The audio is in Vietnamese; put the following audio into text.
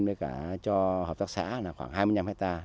đấy cả cho hợp tác xã là khoảng hai mươi năm hectare